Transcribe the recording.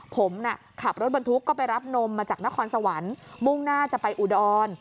ผมขับรถบรรทุกก็ไปรับนมมาจากนครสวรรค์มุ่งหน้าจะไปอุดร